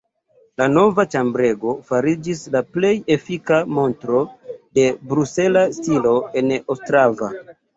La nova ĉambrego fariĝis la plej efika montro de brusela stilo en Ostrava.